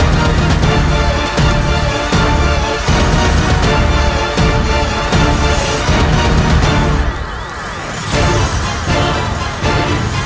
kamu adalah istri dari siluman jahat itu